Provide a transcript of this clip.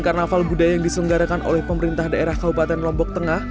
karnaval budaya yang diselenggarakan oleh pemerintah daerah kabupaten lombok tengah